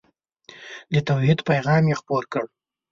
د توحید پیغام یې خپور کړ.